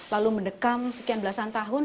lalu mendekam sekian belasan tahun